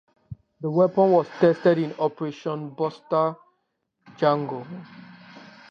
The weapon was tested in Operation Buster-Jangle.